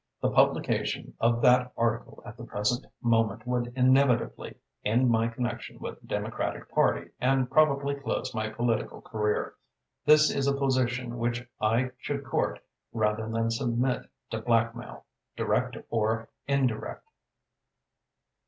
The publication of that article at the present moment would inevitably end my connection with the Democratic Party and probably close my political career. This is a position which I should court rather than submit to blackmail direct or indirect."